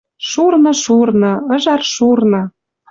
«Шурны, шурны, ыжар шурны